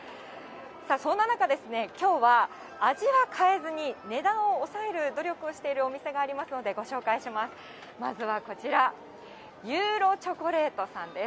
そんな中、きょうは味は変えずに値段を抑える努力をしているお店がありますのでご紹介します。